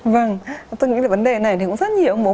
vâng tôi nghĩ vấn đề này cũng rất nhiều